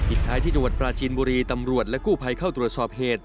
ท้ายที่จังหวัดปราจีนบุรีตำรวจและกู้ภัยเข้าตรวจสอบเหตุ